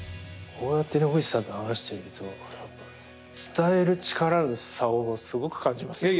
こうやって野口さんと話してると伝える力の差をすごく感じますね。